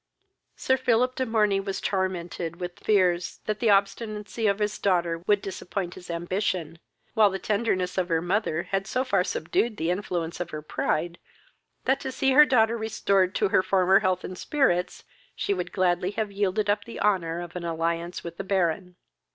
Sir Philip de Morney was tormented with fears that the obstinacy of his daughter would disappoint his ambition, while the tenderness of her mother had so far subdued the influence of her pride, that, to see her daughter restored to her former health and spirits, she would gladly have yielded up the honour of an alliance with the Baron.